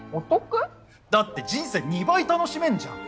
だって人生２倍楽しめんじゃん。